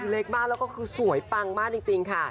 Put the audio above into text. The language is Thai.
เล็กมากแล้วก็คือสวยปังมากจริงค่ะ